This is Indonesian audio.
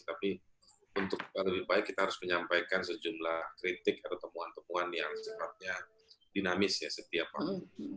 tapi untuk lebih baik kita harus menyampaikan sejumlah kritik atau temuan temuan yang cepatnya dinamis ya setiap tahun